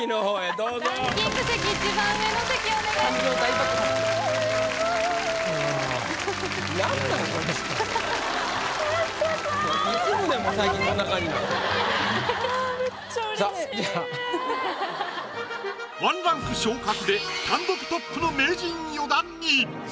１ランク昇格で単独トップの名人４段に。